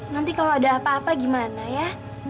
nanti kalau ada apa apa gimana ya